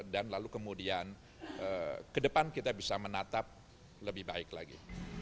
dan lalu kemudian ke depan kita bisa menatap lebih baik lagi